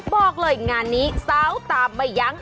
บอกเลยงานนี้เจ้าตามไปยัง